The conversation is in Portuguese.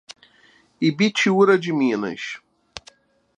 Ibitiúra de Minas